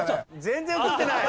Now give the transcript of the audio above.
全然映ってない！